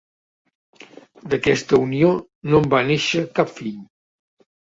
D'aquesta unió no en va néixer cap fill.